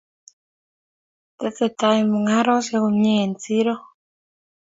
Tesetai mung'arosyek komie eng siro.